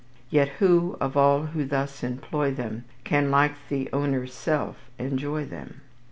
Yet who, of all who thus employ them, Can, like the owner's self, enjoy them?"